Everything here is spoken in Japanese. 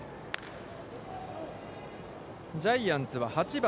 ジャイアンツは８番